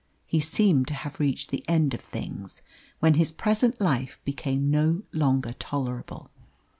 He seemed to have reached the end of things, when his present life became no longer tolerable.